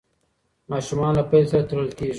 ماشومان له پیل سره تړل کېږي.